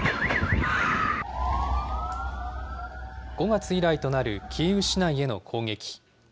５月以来となるキーウ市内への攻撃。